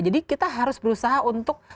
jadi kita harus berusaha untuk